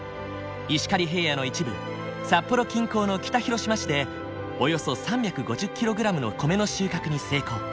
石狩平野の一部札幌近郊の北広島市でおよそ３５０ｋｇの米の収穫に成功。